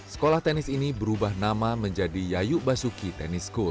sekolah tenis ini berubah nama menjadi yayu basuki tenis school